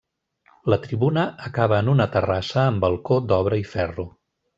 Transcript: La tribuna acaba en una terrassa amb balcó d'obra i ferro.